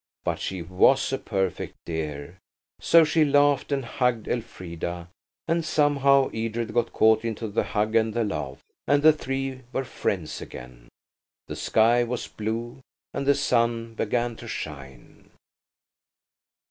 But she was a perfect dear, so she laughed and hugged Elfrida, and somehow Edred got caught into the hug and the laugh, and the three were friends again. The sky was blue and the sun began to shine.